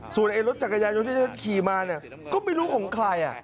ส่วนรถจักรยายนที่เธอขี่มาเนี่ยก็ไม่รู้ของใคร